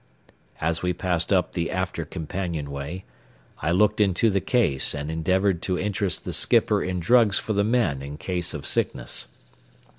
As we passed up the after companionway, I looked into the case and endeavored to interest the skipper in drugs for the men in case of sickness.